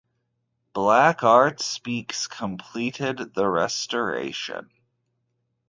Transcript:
Black Art Speaks completed the restoration.